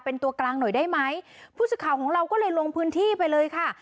เป็นตัวกลางหน่อยได้ไหมผู้สื่อข่าวของเราก็เลยลงพื้นที่ไปเลยค่ะ